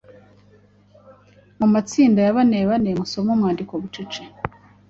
Mu matsinda ya banebane, musome umwandiko bucece